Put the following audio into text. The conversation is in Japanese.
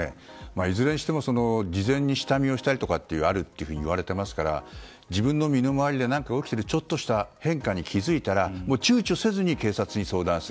いずれにしても事前に下見したりとかいうことがあると言われていますから自分の身の周りで何か起きているちょっとした変化に気づいたらちゅうちょせず警察に相談する。